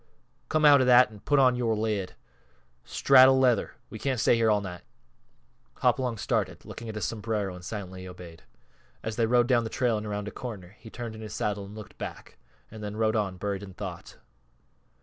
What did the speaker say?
_ Come out of that an' put on yore lid! Straddle leather we can't stay here all night." Hopalong started, looked at his sombrero and silently obeyed. As they rode down the trail and around a corner he turned in his saddle and looked back; and then rode on, buried in thought.